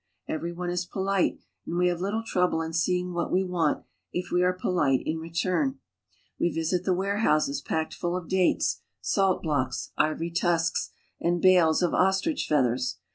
Every one is polite, and we have little trouble in seeing J what we want if we are polite in return. We visit the warehouses packed full of dates, salt blocks, ivory tusks, and bales of ostrich feathers.